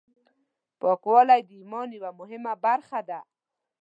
پاکوالی د ایمان یوه مهمه برخه ده.